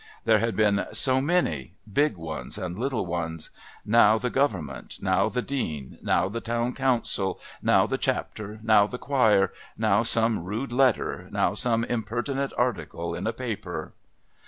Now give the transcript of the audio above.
There had been so many, big ones and little ones. Now the Government, now the Dean, now the Town Council, now the Chapter, now the Choir, now some rude letter, now some impertinent article in a paper.